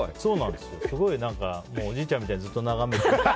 おじいちゃんみたいにずっと眺めてて。